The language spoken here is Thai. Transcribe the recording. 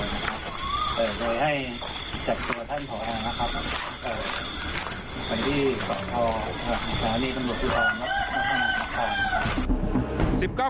เป็นที่ขอตอบศาลีตำรวจสุภาพมันธนาคารนะครับ